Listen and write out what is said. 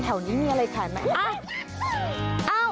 แถวนี้มีอะไรขายไหม